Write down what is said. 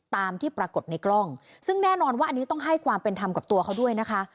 ตามที่ปรากฏในกล้องซึ่งแน่นอนว่าอันนี้ต้องให้ความเป็นธรรมกับตัวเขาด้วยนะคะ